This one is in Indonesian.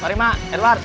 mari emak edward